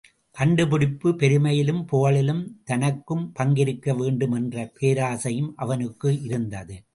கண்டுபிடிப்பு பெருமையிலும், புகழிலும் தனக்கும் பங்கிருக்க வேண்டும் என்ற பேராசையும் அவனுக்கு இருந்தது.